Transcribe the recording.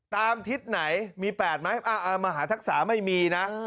ตามทิศไหนมี๘ไหมอ่ามหาทักษาไม่มีนะ